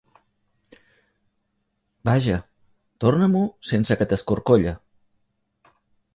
Vaja, torna-m'ho sense que t'escorcolle.